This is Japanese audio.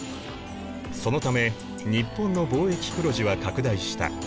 そのため日本の貿易黒字は拡大した。